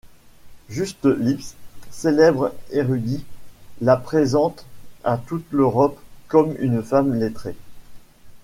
Juste Lipse, célèbre érudit, la présente à toute l’Europe comme une femme lettrée.